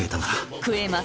食えます！